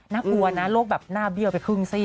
น่ากลัวนะโรคแบบหน้าเบี้ยวไปครึ่งซี่